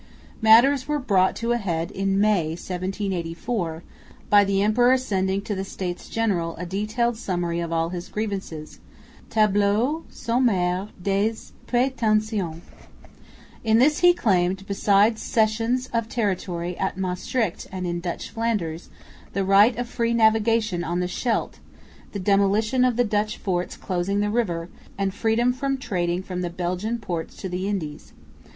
Matters were brought to a head in May, 1784, by the emperor sending to the States General a detailed summary of all his grievances, Tableau sommaire des prétentions. In this he claimed, besides cessions of territory at Maestricht and in Dutch Flanders, the right of free navigation on the Scheldt, the demolition of the Dutch forts closing the river, and freedom of trading from the Belgian ports to the Indies.